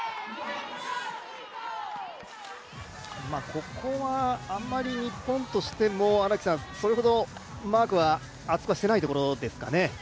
ここはあまり日本としても、それほどマークは厚くしていないところですかね。